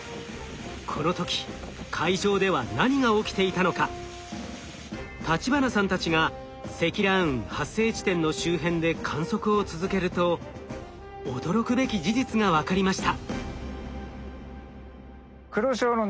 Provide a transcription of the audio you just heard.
この時立花さんたちが積乱雲発生地点の周辺で観測を続けると驚くべき事実が分かりました。